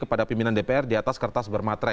pada pimpinan dpr di atas kertas bermatra